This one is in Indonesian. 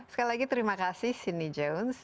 sekali lagi terima kasih siney jones